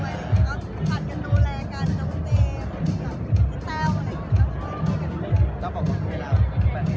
เราก็ต้องกินที่สบายใจแต่ว่าต้องไม่ได้เป็นคนสมบัติ